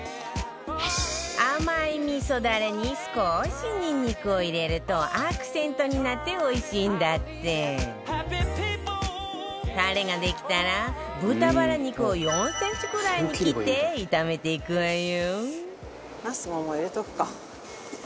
甘い味噌だれに少し、ニンニクを入れるとアクセントになっておいしいんだってたれができたら、豚バラ肉を４センチくらいに切って炒めていくわよ